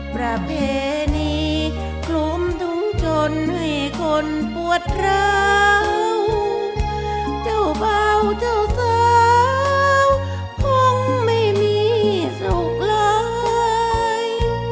ประเพณีคลุมถุงจนให้คนปวดร้าวเจ้าเบาเจ้าสาวคงไม่มีสุขเลย